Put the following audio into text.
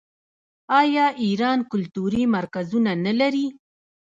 آیا ایران کلتوري مرکزونه نلري؟